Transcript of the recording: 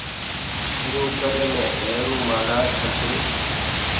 ايٚرو ڪري مي روهيروئونٚ مهآرآج پڇي